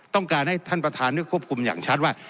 ต้องการให้ท่านประธานได้ควบคุมอย่างชัดว่า